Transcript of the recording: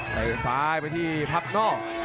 ใส่ซ้ายไปที่พับนอก